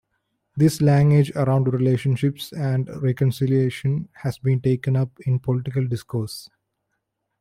This language around relationships and reconciliation has been taken up in political discourse.